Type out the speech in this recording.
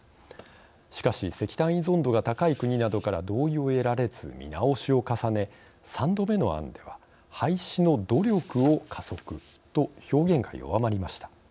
しかし石炭依存度が高い国などから同意を得られず見直しを重ね３度目の案では廃止の努力を加速と表現が弱まりました。